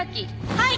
はい！